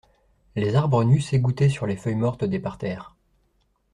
Les arbres nus s'égouttaient sur les feuilles mortes des parterres.